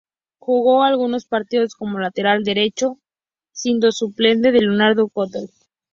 Jugó algunos partidos como lateral derecho, siendo suplente de Leonardo Godoy.